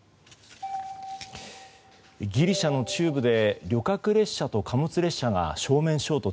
ギリシャの中部で旅客列車と貨物列車が正面衝突。